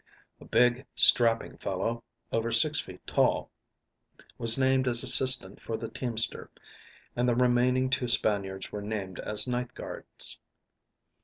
A big, strapping fellow, over six feet tall, was named as assistant for the teamster, and the remaining two Spaniards were named as night guards.